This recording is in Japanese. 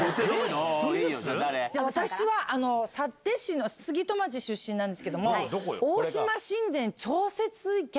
１人ずつ⁉私は幸手市の杉戸町出身なんですけど。